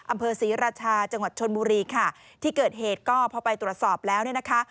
อำเภอศรีราชาจังหวัดชนบุรีค่ะที่เกิดเหตุก็พอไปตรวจสอบแล้วเนี่ยนะคะ